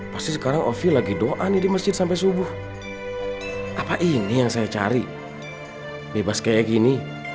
pasti sekarang ovi lagi doa nih di masjid sampai subuh apa ini yang saya cari bebas kayak gini